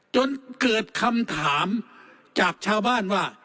จนเกิดคำถามจากชาวบ้านว่า